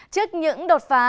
trước những đột phá